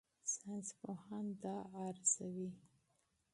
ساینسپوهان دا ارزوي.